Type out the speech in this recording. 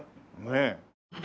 ねえ。